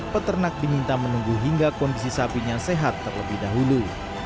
peternak diminta menunggu hingga kondisi sapinya sehat terlebih dahulu